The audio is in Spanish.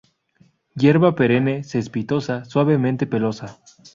Hierba perenne, cespitosa, suavemente pelosa.